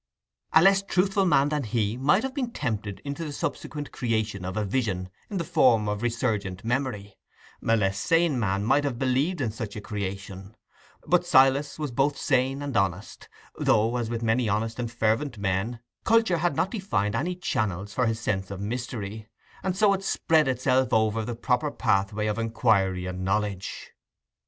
A less truthful man than he might have been tempted into the subsequent creation of a vision in the form of resurgent memory; a less sane man might have believed in such a creation; but Silas was both sane and honest, though, as with many honest and fervent men, culture had not defined any channels for his sense of mystery, and so it spread itself over the proper pathway of inquiry and knowledge.